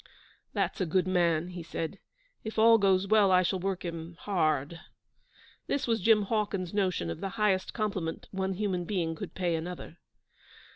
'That's a good man,' he said. 'If all goes well I shall work him hard.' This was Jim Hawkins's notion of the highest compliment one human being could pay another.